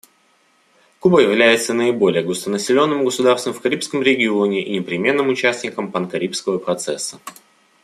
Куба является наиболее густонаселенным государством в Карибском регионе и непременным участником панкарибского процесса.